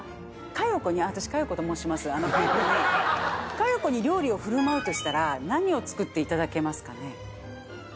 佳代子に料理を振る舞うとしたら何を作っていただけますかね？